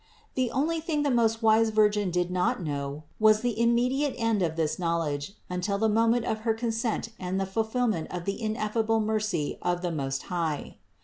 The only thing the most wise Virgin did not know was the immediate end of this knowledge until the moment of her consent and the ful fillment of the ineffable mercy of the Most High.